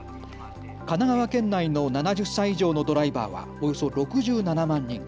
神奈川県内の７０歳以上のドライバーはおよそ６７万人。